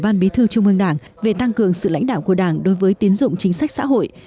ban bí thư trung ương đảng về tăng cường sự lãnh đạo của đảng đối với tiến dụng chính sách xã hội